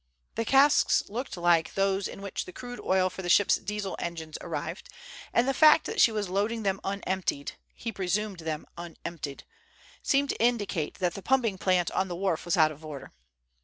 The casks looked like those in which the crude oil for the ship's Diesel engines arrived, and the fact that she was loading them unemptied—he presumed them unemptied—seemed to indicate that the pumping plant on the wharf was out of order.